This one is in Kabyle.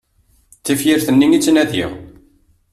D tafyirt-nni i ttnadiɣ!